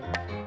ya itu baru